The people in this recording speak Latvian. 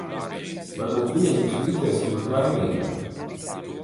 Varbūt viņa jums līdzēs kļūt laimīgam.